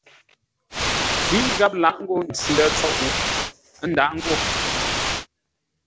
Ghíʼ gháp lâʼ ńgó ntsʉ-ndə̂ tsóʼo ə́ ndâʼ ńgó locken.